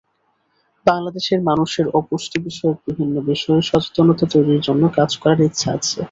বাংলাদেশের মানুষের অপুষ্টিবিষয়ক বিভিন্ন বিষয়ে সচেতনতা তৈরির জন্য কাজ করার ইচ্ছা আছে।